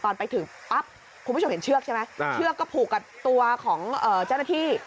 ตอนไปถึงปั๊บคุณผู้ชมเห็นเชือกใช่ไหมเชือกก็ผูกกับตัวของเจ้าหน้าที่